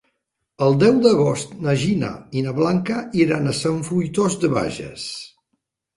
El deu d'agost na Gina i na Blanca iran a Sant Fruitós de Bages.